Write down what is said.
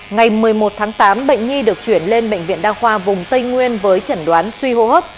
ngày một mươi một tháng tám bệnh nhi được chuyển lên bệnh viện đa khoa vùng tây nguyên với chẩn đoán suy hô hấp